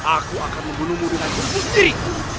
aku akan membunuhmu dengan diriku sendiri